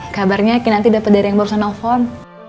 kabarnya kinanti dapat dari yang baru saja nelfon